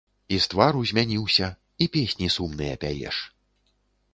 І з твару змяніўся, і песні сумныя пяеш.